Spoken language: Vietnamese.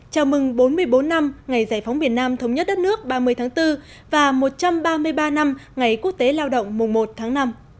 chào mừng bốn mươi bốn năm ngày giải phóng miền nam thống nhất đất nước ba mươi tháng bốn và một trăm ba mươi ba năm ngày quốc tế lao động mùa một tháng năm